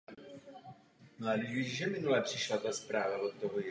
Je to nejčastěji používaný typ pouzdra.